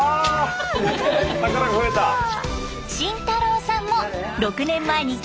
真太郎さんも６年前に結婚。